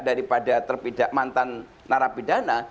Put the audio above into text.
daripada terpidak mantan narapidana